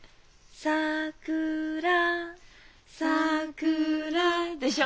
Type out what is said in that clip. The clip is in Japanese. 「さくら」「さくら」でしょ？